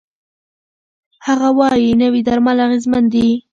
هغه وايي، نوي درمل اغېزمن دي.